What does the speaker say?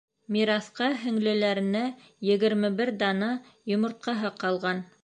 Мираҫҡа һеңлеләренә егерме бер дана йомортҡаһы ҡалған.